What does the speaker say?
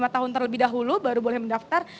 lima tahun terlebih dahulu baru boleh mendaftar